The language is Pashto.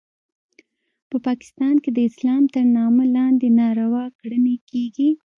په پاکستان کې د اسلام تر نامه لاندې ناروا کړنې کیږي